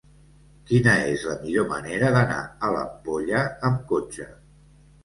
Quina és la millor manera d'anar a l'Ampolla amb cotxe?